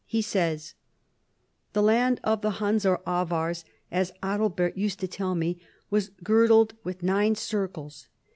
lie says :" The land of the Huns or [Avars] as Adalbert used to tell me was girdled with nine circles.